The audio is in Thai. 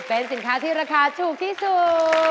เป็นสินค้าที่ราคาถูกที่สุด